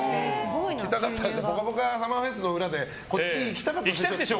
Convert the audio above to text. ぽかぽかＳＵＭＭＥＲＦＥＳの裏でこっち行きたかったでしょ。